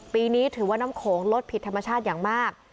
ปีนี้ถือว่าน้ำโขงลดผิดธรรมชาติอย่างมาก